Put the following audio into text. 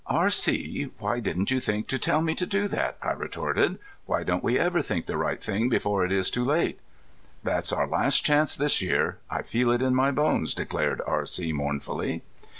"R.C. why didn't you think to tell me to do that?" I retorted. "Why don't we ever think the right thing before it is too late?" "That's our last chance this year I feel it in my bones," declared R.C. mournfully.